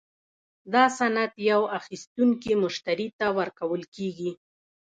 دا سند یو اخیستونکي مشتري ته ورکول کیږي.